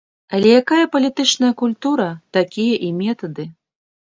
Але якая палітычная культура, такія і метады.